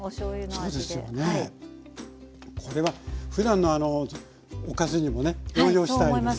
これはふだんのおかずにもね応用したいですよね。